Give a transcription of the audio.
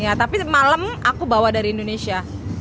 ya tapi malam aku bawa dari indonesia